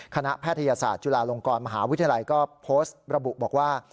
แพทยศาสตร์จุฬาลงกรมหาวิทยาลัยก็โพสต์ระบุบอกว่า